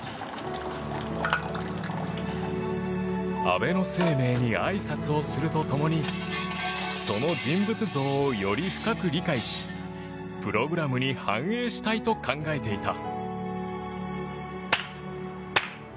安倍晴明にあいさつをすると共にその人物像をより深く理解しプログラムに反映したいと考えていた。